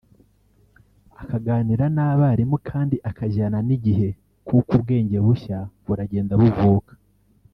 akaganira n’abarimu; kandi akajyana n’igihe kuko ubwenge bushya buragenda buvuka